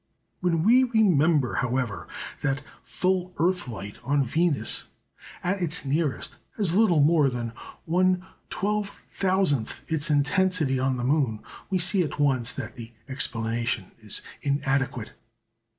When we remember, however, that "full earth light" on Venus, at its nearest, has little more than 1/12000 its intensity on the moon, we see at once that the explanation is inadequate.